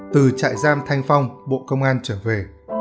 từ trại giam thanh phong bộ công an trở về